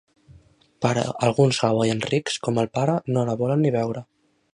Però alguns hawaians rics, com el pare, no la volen ni veure.